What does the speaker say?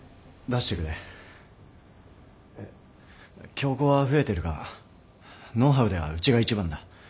競合は増えてるがノウハウではうちが一番だ